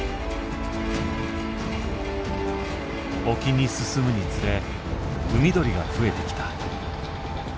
沖に進むにつれ海鳥が増えてきた。